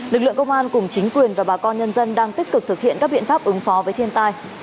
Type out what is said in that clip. lực lượng công an cùng chính quyền và bà con nhân dân đang tích cực thực hiện các biện pháp ứng phó với thiên tai